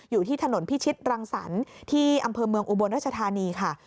อยู่ที่ถนนพิชิตรังสรรค์ที่อำเภอเมืองอุบลรัชธานีค่ะ